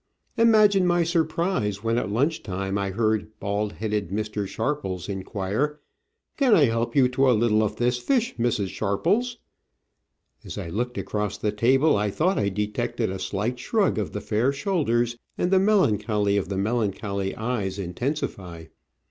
Imagine my surprise when at lunch time I heard bald headed Mr. Sharpies inquire, Can I help you to a little of this fish, Mrs. Sharpies ?" As I looked across the table I thought I detected a slight shrug of the fair shoulders, and the melancholy of the melancholy eyes intensify.